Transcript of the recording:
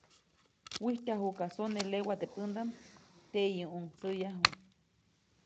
Wijtyajuʼka sone lewa teʼ pändaʼm, teʼyiʼuŋ tsäʼyäju.